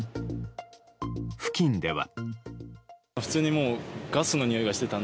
付近では。